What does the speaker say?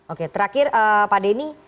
oke terakhir pak denny